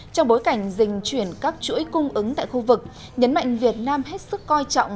trong bối cảnh dình chuyển các chuỗi cung ứng tại khu vực nhấn mạnh việt nam hết sức coi trọng